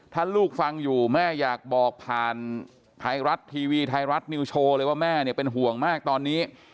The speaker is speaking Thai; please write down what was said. ถ้าลูกฟังอยู่แม่อยากบอกผ่านไทยรัฐทีวีไทยรัฐนิวโชว์เลยว่าแม่เนี่ยเป็นห่วงมากตอนนี้